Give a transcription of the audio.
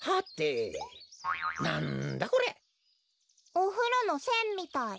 おふろのせんみたい。